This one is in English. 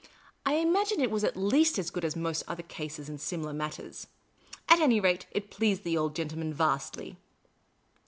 I imagine it was at least as good as most other cases in similar matters ; at any rate, it pleased the old gentleman vastly.